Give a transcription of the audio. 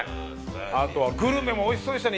あとはグルメもおいしそうでしたね